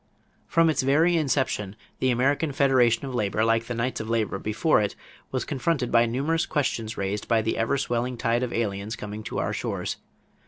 = From its very inception, the American Federation of Labor, like the Knights of Labor before it, was confronted by numerous questions raised by the ever swelling tide of aliens coming to our shores.